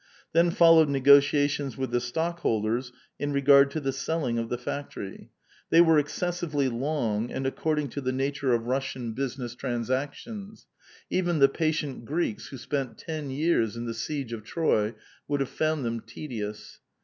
Then followed negotiations with the stockhold ers in regard to the selling of the factory. They were exces Bively long and according to the nature of Russian business A VITAL QUESTIOtf. 428 trnnsactions ; even the patient Greeks who «pent ten j ears in Ihe siege of Troy would have found them tedious.